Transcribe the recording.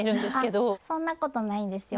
そんなことないんですよ。